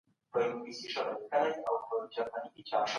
انلاين کورسونه زده کوونکي د کورنۍ ملاتړ سره زده کړه کول.